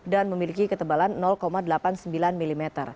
dan memiliki ketebalan delapan puluh sembilan mm